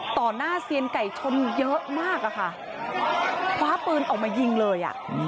หน้าเซียนไก่ชนเยอะมากอะค่ะคว้าปืนออกมายิงเลยอ่ะ